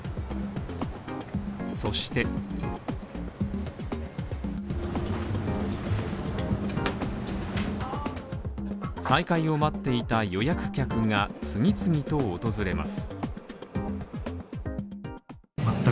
そして再開を待っていた予約客が次々と訪れます。